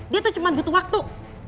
dia tuh cuma butuh waktu